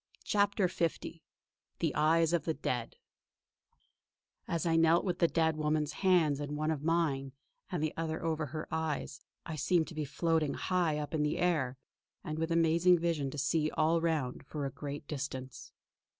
CHAPTER L THE EYES OF THE DEAD As I knelt with the dead woman's hands in one of mine and the other over her eyes, I seemed to be floating high up in the air; and with amazing vision to see all round for a great distance.